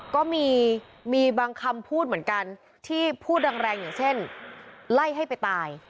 ก็มีบางคำพูดเหมือนกันที่พูดแรงอย่างเช่นไล่ให้ไปตาย